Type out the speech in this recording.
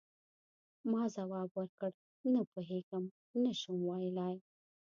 ما ځواب ورکړ: نه پوهیږم، نه شم ویلای.